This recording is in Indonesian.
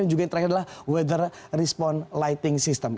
dan juga yang terakhir adalah weather response lighting system